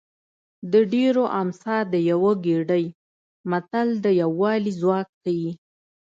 د ډېرو امسا د یوه ګېډۍ متل د یووالي ځواک ښيي